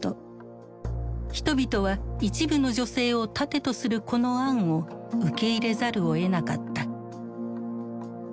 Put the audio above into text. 人々は一部の女性を盾とするこの案を受け入れざるをえなかった。